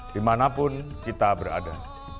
dimanapun kita berada